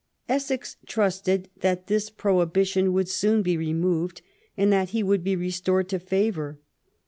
Essex trusted that this prohibition would soon be removed, and that he would be restored to favour.